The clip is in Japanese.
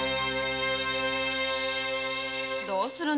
どうする？